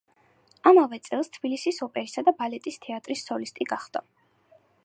ამავე წელს თბილისის ოპერისა და ბალეტის თეატრის სოლისტი გახდა.